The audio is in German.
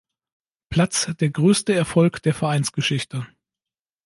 Platz der größte Erfolg der Vereinsgeschichte.